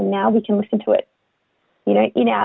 dan sekarang kita bisa mendengarnya